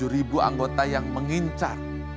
tujuh ribu anggota yang mengincar